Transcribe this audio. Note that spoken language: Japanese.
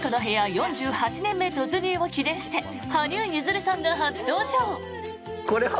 ４８年目突入を記念して羽生結弦さんが初登場。